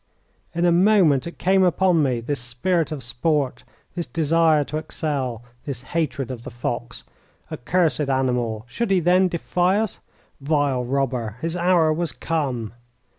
In a moment it came upon me, this spirit of sport, this desire to excel, this hatred of the fox. Accursed animal, should he then defy us? Vile robber, his hour was come!